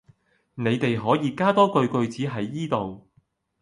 你哋可以加好多句句子喺依度